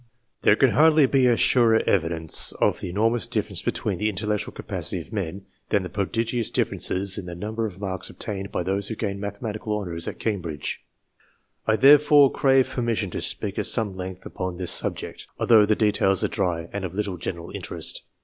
There can 'hardly be a surer evidence of the enormous difference between the intellectual capacity of men, than the prodigious differences in the numbers of marks ob tained by those who gain mathematical honours at Cam bridge. I therefore crave permission to speak at some length upon this subject, although the details are dry and of little general interest.